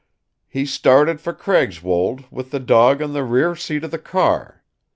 He started for Craigswold, with the dog on the rear seat of the car.